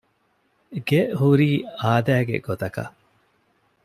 ގެ ހުރީ އާދައިގެ ގޮތަކަށް